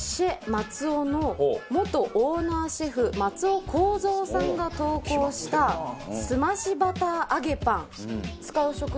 松尾の元オーナーシェフ松尾幸造さんが投稿した澄ましバター揚げパン。